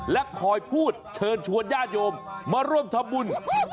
และคอยพูดเชิญชวนญาติโยมมาร่วมทำบุญ